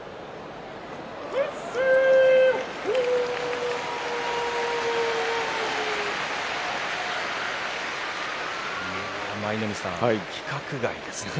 拍手舞の海さん、規格外ですよね。